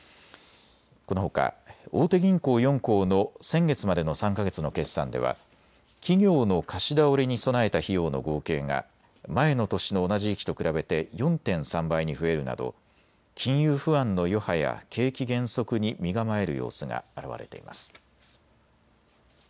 このほか大手銀行４行の先月までの３か月の決算では企業の貸し倒れに備えた費用の合計が前の年の同じ時期と比べて４．３倍に増えるなど金融不安の余波や景気減速に身構える様子が表れています。